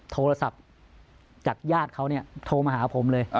โทรศัพท์จากญาติเขาเนี่ยโทรมาหาผมเลย